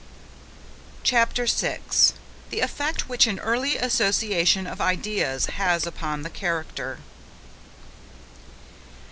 CHAPTER 6. THE EFFECT WHICH AN EARLY ASSOCIATION OF IDEAS HAS UPON THE CHARACTER.